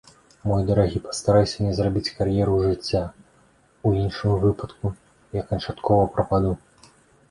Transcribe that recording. Мой дарагі, пастарайся мне зрабіць кар'еру жыцця, у іншым выпадку я канчаткова прападу.